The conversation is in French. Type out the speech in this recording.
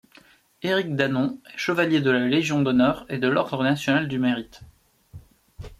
Éric Danon est Chevalier de la Légion d'honneur et de l'Ordre national du Mérite.